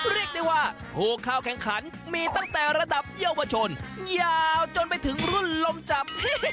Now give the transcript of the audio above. เรียกได้ว่าผู้เข้าแข่งขันมีตั้งแต่ระดับเยาวชนยาวจนไปถึงรุ่นลมจับ